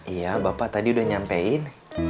iya bapak tadi udah nyampein